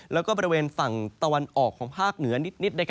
แล้วก็บริเวณฝั่งตะวันออกของภาคเหนือนิด